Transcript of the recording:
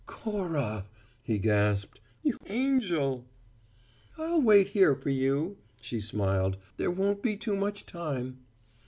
"Cora!" he gasped. "You angel!" "I'll wait here for you," she smiled. "There won't be too much time."